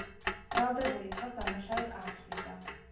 ბრალდებული თავს დამნაშავედ არ თვლიდა.